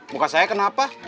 muka saya kenapa